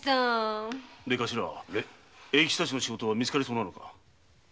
永吉たちの仕事はみつかりそうなのか？